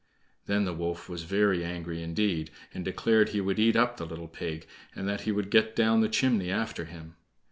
Then the wolf was very angry indeed, and declared he would eat up the little pig, and that he would get down the chimney after him.